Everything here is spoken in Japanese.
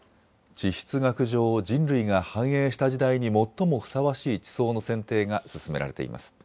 地質学上、人類が繁栄した時代に最もふさわしい地層の選定が進められています。